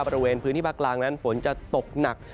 บริเวณพื้นที่ภาคกลางนั้นฝนจะตกหนัก